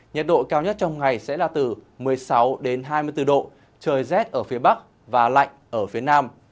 nhiệt độ cao nhất trong ngày sẽ là từ một mươi sáu hai mươi bốn độ trời rét ở phía bắc và lạnh ở phía nam